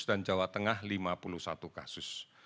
dan jawa tengah lima puluh satu kasus